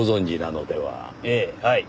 ええはい。